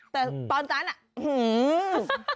แต่ตอนตอนนั้นอือหือ